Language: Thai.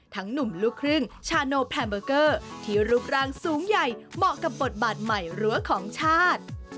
หนุ่มลูกครึ่งชาโนแพมเบอร์เกอร์ที่รูปร่างสูงใหญ่เหมาะกับบทบาทใหม่รั้วของชาติ